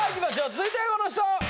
続いてはこの人！